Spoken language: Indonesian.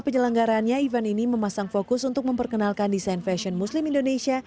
penyelenggaranya event ini memasang fokus untuk memperkenalkan desain fashion muslim indonesia